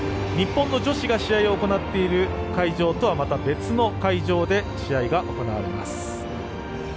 日本の女子が試合を行っている会場とはまた別の会場で試合が行われます。